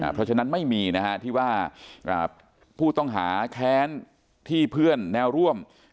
เพราะฉะนั้นไม่มีนะฮะที่ว่าผู้ต้องหาแค้นที่เพื่อนแนวร่วม